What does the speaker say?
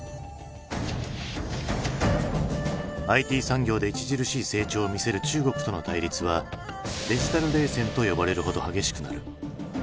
ＩＴ産業で著しい成長を見せる中国との対立はデジタル冷戦と呼ばれるほど激しくなる。